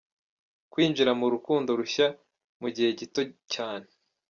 Kwinjira mu rukundo rushya mu gihe gito cyane.